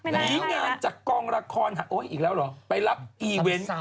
หนีงานจากกองละครโอ๊ยอีกแล้วเหรอไปรับอีเวนต์